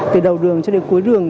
từ đầu đường cho đến cuối đường